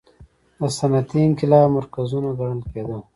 د صنعتي انقلاب مرکزونه ګڼل کېدل.